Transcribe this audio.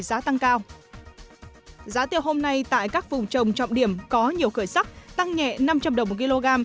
giá tiêu hôm nay tại các vùng trồng trọng điểm có nhiều khởi sắc tăng nhẹ năm trăm linh đồng một kg